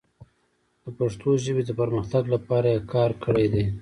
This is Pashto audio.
د پښتو ژبې د پرمختګ لپاره یې کار کړی دی.